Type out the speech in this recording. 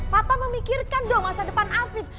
papa memikirkan dong masa depan afif